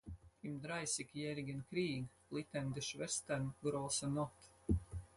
Im Dreißigjährigen Krieg litten die Schwestern große Not.